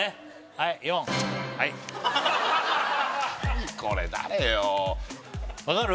はい４はい何これ誰よわかる？